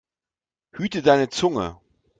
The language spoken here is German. Hüte deine Zunge!